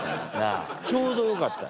ちょうどよかった。